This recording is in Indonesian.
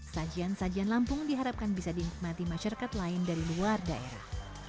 sajian sajian lampung diharapkan bisa dinikmati masyarakat lain dari luar daerah